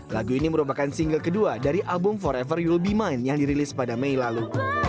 lagu ini merupakan single kedua dari album forever wul be mind yang dirilis pada mei lalu